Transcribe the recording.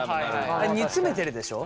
煮詰めてるでしょ。